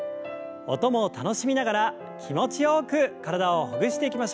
音も楽しみながら気持ちよく体をほぐしていきましょう。